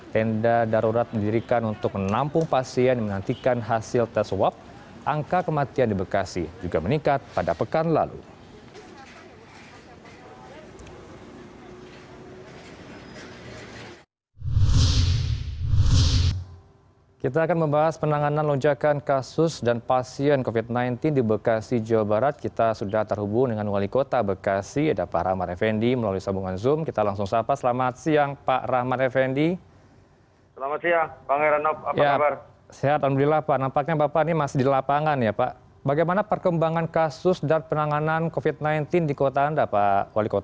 tenda darurat mendirikan untuk menampung pasien yang menantikan hasil tes swab